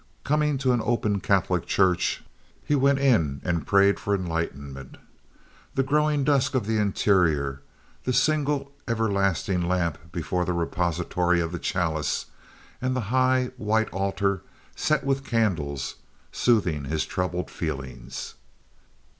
Coming to an open Catholic church, he went in and prayed for enlightenment, the growing dusk of the interior, the single everlasting lamp before the repository of the chalice, and the high, white altar set with candles soothing his troubled feelings.